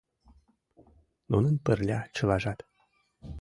Нунын — пырля чылажат.